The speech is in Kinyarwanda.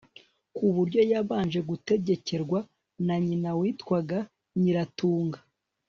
ku buryo yabanje gutegekerwa na nyina witwaga nyiratunga